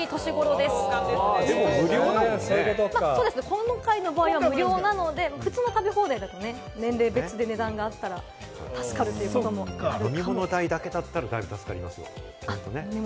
今回の場合は無料なので、普通の食べ放題だと年齢別で値段があったら、確かということもあるかも。